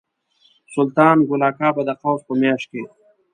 سلطان ګل اکا به د قوس په میاشت کې.